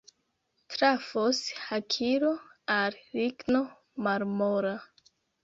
Trafos hakilo al ligno malmola.